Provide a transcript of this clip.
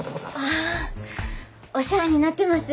あお世話になってます